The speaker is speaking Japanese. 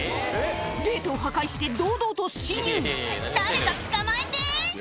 ゲートを破壊して堂々と侵入誰か捕まえて！